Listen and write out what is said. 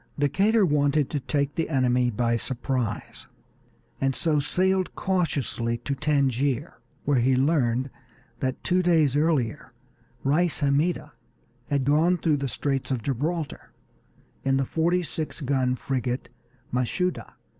Decatur wanted to take the enemy by surprise, and so sailed cautiously to Tangier, where he learned that two days earlier Reis Hammida had gone through the Straits of Gibraltar in the forty six gun frigate Mashuda.